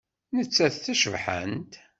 Nettat d tacebḥant.